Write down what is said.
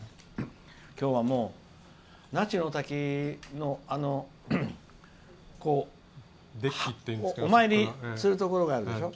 今日は那智の滝のお参りするところがあるでしょ